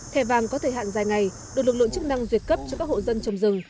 thẻ vàng có thời hạn dài ngày được lực lượng chức năng duyệt cấp cho các hộ dân trồng rừng